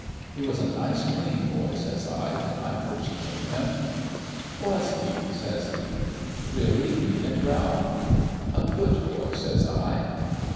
"' He was a nice clean boy/ says I, ' when I first knowed him.' "' Was he ?' says he. ' Really mean it, Rowl ?'" 'A good boy,' says I.